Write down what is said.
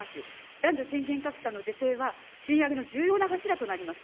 男女賃金格差の是正は賃上げの重要な柱となります。